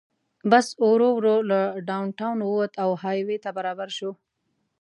بس ورو ورو له ډاون ټاون ووت او های وې ته برابر شو.